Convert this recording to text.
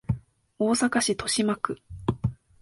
大阪市都島区